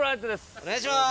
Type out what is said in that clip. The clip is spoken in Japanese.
お願いします。